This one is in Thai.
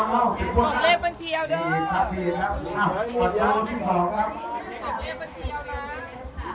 ถ้าเป็นปารักษณ์แบบนี้ยังไง